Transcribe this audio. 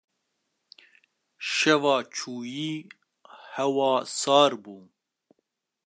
Şeva çûyî hewa sar bû.